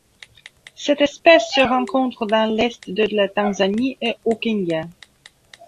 Cette espèce se rencontre dans l'est de la Tanzanie et au Kenya.